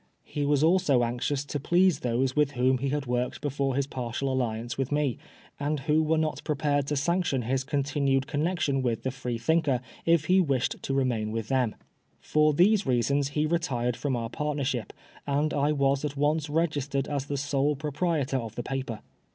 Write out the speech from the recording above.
He waa also anxionB to please those with whom he had worked before his partial alliance with me, and who were not prepared to sanction his continued connexion with the JFreethmker if he wished to remain with them. For these reasons he retired from our partnership, and I was at once registered as the sole proprietor of the paper.